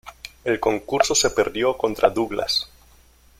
El concurso se perdió contra Douglas.